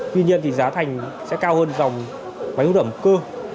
tuy nhiên thì giá thành sẽ cao hơn dòng máy hút ẩm cơ